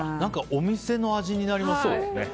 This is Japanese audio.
お店の味になりますね。